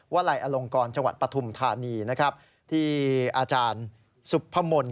วะไล่อลงกรจปฐุมธานีที่อาจารย์สุพมนต์